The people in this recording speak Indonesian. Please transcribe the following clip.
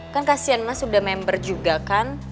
kan kasian mas udah member juga kan